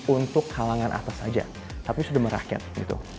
untuk kalangan atas saja tapi sudah merakyat gitu